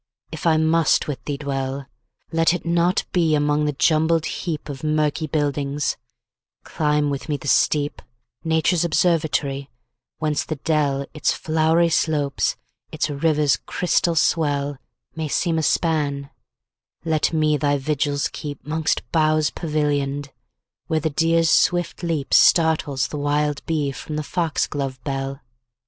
if I must with thee dwell, Let it not be among the jumbled heapOf murky buildings; climb with me the steep,—Nature's observatory—whence the dell, Its flowery slopes, its river's crystal swell, May seem a span; let me thy vigils keep'Mongst boughs pavillion'd, where the deer's swift leapStartles the wild bee from the fox glove bell.